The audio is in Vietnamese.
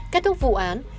kết thúc vụ án